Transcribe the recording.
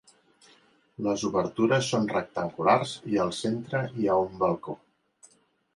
Les obertures són rectangulars i al centre hi ha un balcó.